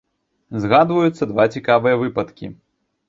Згадваюцца два цікавыя выпадкі.